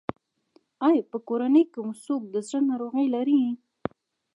ایا په کورنۍ کې مو څوک د زړه ناروغي لري؟